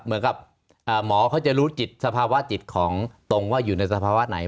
เหมือนกับหมอเขาจะรู้จิตสภาวะจิตของตรงว่าอยู่ในสภาวะไหน